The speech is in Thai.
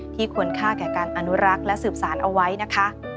ควรค่าแก่การอนุรักษ์และสืบสารเอาไว้นะคะ